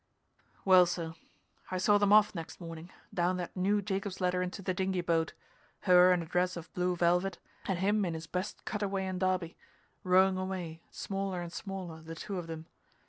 Well, sir, I saw them off next morning, down that new Jacob's ladder into the dinghy boat, her in a dress of blue velvet and him in his best cutaway and derby rowing away, smaller and smaller, the two of them.